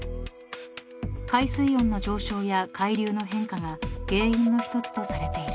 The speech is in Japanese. ［海水温の上昇や海流の変化が原因の一つとされている］